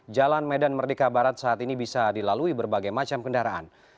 jalan medan merdeka barat saat ini bisa dilalui berbagai macam kendaraan